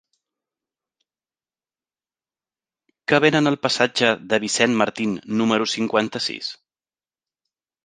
Què venen al passatge de Vicent Martín número cinquanta-sis?